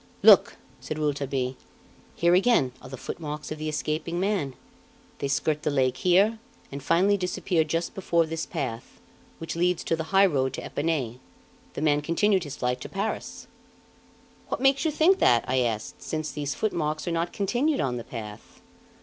"Look!" said Rouletabille, "here again are the footmarks of the escaping man; they skirt the lake here and finally disappear just before this path, which leads to the high road to Epinay. The man continued his flight to Paris." "What makes you think that?" I asked, "since these footmarks are not continued on the path?"